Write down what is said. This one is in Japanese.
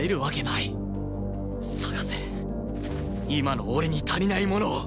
探せ今の俺に足りないものを